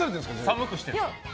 寒くしてるの？